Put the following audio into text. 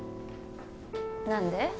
何で？